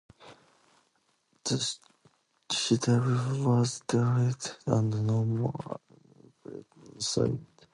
The citadel was destroyed and no more structures were built on the site.